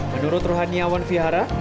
menurut rohaniawan wihara